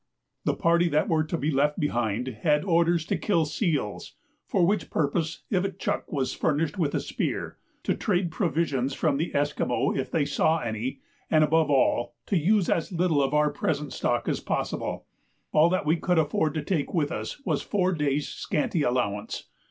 The party that were to be left behind had orders to kill seals, (for which purpose Ivitchuk was furnished with a spear,) to trade provisions from the Esquimaux if they saw any, and, above all, to use as little of our present stock as possible. All that we could afford to take with us was four days' scanty allowance.